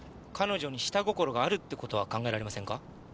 彼女に下心があるってことは考えられませんか？